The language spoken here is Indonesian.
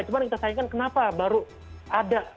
cuma kita sayangkan kenapa baru ada